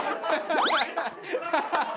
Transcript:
ハハハハ！